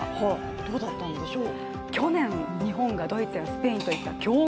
どうだったんでしょう。